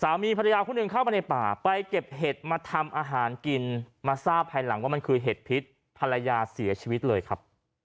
สามีภรรยาคู่หนึ่งเข้ามาในป่าไปเก็บเห็ดมาทำอาหารกินมาทราบภายหลังว่ามันคือเห็ดพิษภรรยาเสียชีวิตเลยครับ